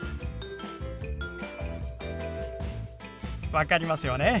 分かりますよね？